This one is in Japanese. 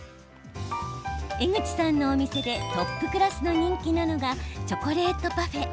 江口さんのお店でトップクラスの人気なのがチョコレートパフェ。